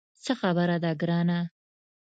څه خبره ده ګرانه.